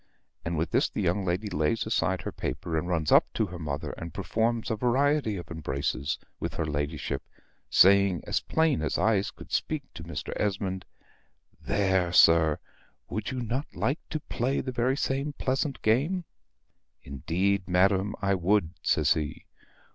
And with this the young lady lays aside her paper, and runs up to her mother and performs a variety of embraces with her ladyship, saying as plain as eyes could speak to Mr. Esmond "There, sir: would not YOU like to play the very same pleasant game?" "Indeed, madam, I would," says he.